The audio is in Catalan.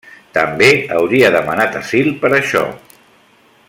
També hauria demanat asil per això.